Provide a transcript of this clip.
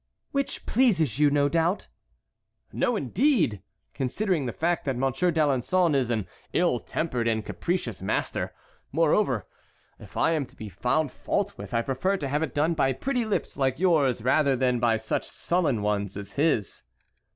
"Which pleases you, no doubt?" "No, indeed! considering the fact that Monsieur d'Alençon is an ill tempered and capricious master; moreover, if I am to be found fault with, I prefer to have it done by pretty lips like yours rather than by such sullen ones as his."